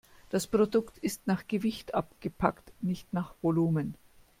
Das Produkt ist nach Gewicht abgepackt, nicht nach Volumen.